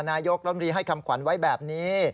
นายโยมรีให้คำขวัญไว้แบบนี้